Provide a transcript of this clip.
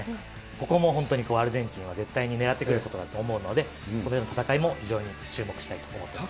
ここも本当にアルゼンチンは絶対に狙ってくるところだと思うので、このような戦いも非常に注目したいと思っています。